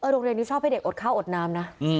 โรงเรียนนี้ชอบให้เด็กอดข้าวอดน้ำนะ